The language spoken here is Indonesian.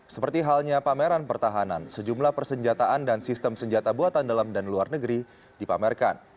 seperti halnya pameran pertahanan sejumlah persenjataan dan sistem senjata buatan dalam dan luar negeri dipamerkan